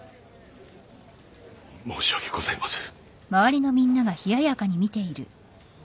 申し訳ございません